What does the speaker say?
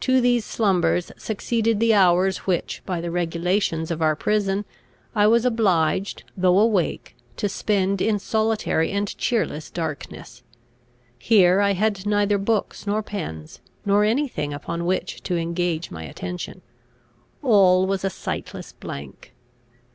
To these slumbers succeeded the hours which, by the regulations of our prison, I was obliged, though awake, to spend in solitary and cheerless darkness. Here I had neither books nor pens, nor any thing upon which to engage my attention; all was a sightless blank.